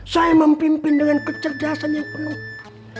saya memimpin dengan kecerdasan yang penuh